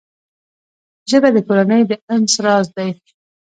ژبه د کورنۍ د انس راز دی